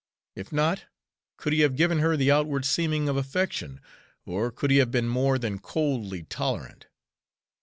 If not, could he have given her the outward seeming of affection, or could he have been more than coldly tolerant?